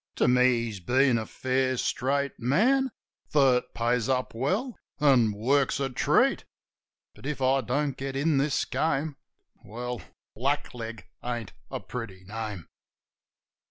To me he's been a fair, straight man That pays up well an' works a treat. But if I don't get in this game, Well, "blackleg" ain't a pretty name.